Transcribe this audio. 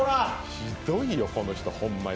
ひどいよ、この人ほんまに。